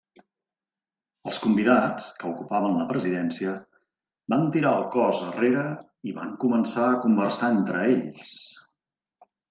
Els convidats, que ocupaven la presidència, van tirar el cos arrere i van començar a conversar entre ells.